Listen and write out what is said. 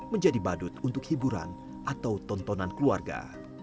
menjadi badut untuk hiburan atau tontonan keluarga